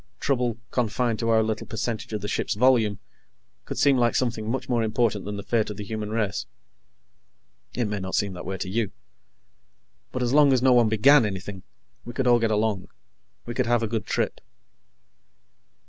Trouble, confined to our little percentage of the ship's volume, could seem like something much more important than the fate of the human race. It may not seem that way to you. But as long as no one began anything, we could all get along. We could have a good trip.